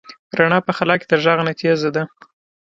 رڼا په خلا کې د غږ نه تېزه ده.